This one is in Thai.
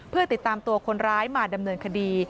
เพื่อติดตามตัวคนร้ายมาดำเนินคดี